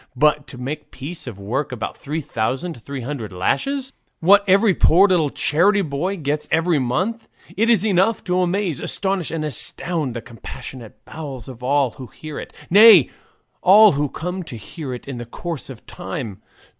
But to make a piece of work about three thousand three hundred lashes, what every poor little charity boy gets every month it is enough to amaze, astonish, astound the compassionate bowels of all who hear it, nay, all who come to hear it in the course of time.